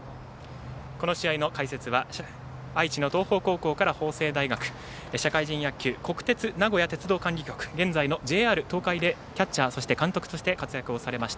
この試合の解説は愛知の東邦高校から法政大学社会人野球国鉄名古屋鉄道管理局現在のＪＲ東海でキャッチャーそして監督として活躍されました